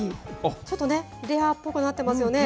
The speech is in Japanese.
ちょっとね、レアっぽくなってますよね。